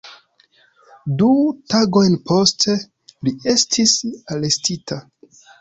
Du tagojn poste, li estis arestita.